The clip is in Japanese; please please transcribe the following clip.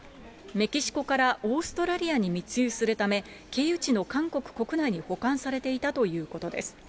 メキシコからオーストラリアに密輸するため、経由地の韓国国内に保管されていたということです。